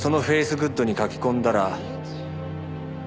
グッドに書き込んだら。